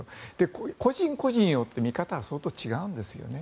個人個人によって見方は相当違うんですよね。